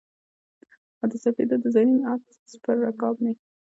او د سپېدو د زرین آس پر رکاب مې